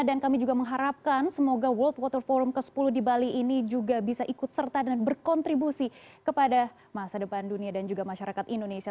dan kami juga mengharapkan semoga world water forum ke sepuluh di bali ini juga bisa ikut serta dan berkontribusi kepada masa depan dunia dan juga masyarakat indonesia